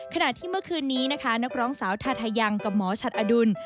ขณะที่เมื่อคืนนี้นะคะนักร้องสาวทาทายังกับหมอฉัดอดุล